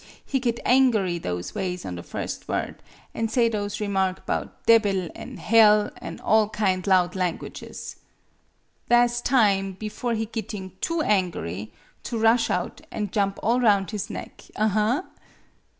He git angery those ways on the first word, an' say those remark 'bout debbil, an' hell, an' all kind loud languages. Tha' 's time, bifore he gitting too angery, to rush out, an' jump all roun' his neck, aha!"